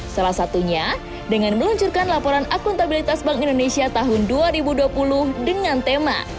salah satunya dengan meluncurkan laporan akuntabilitas bank indonesia tahun dua ribu dua puluh dengan tema